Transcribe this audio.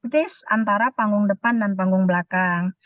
tis antara panggung depan dan panggung belakang